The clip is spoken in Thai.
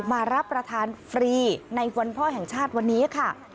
มารับประทานฟรีในวันพ่อแห่งชาติวันนี้ค่ะ